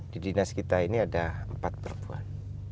di dinas kita ini ada empat perempuan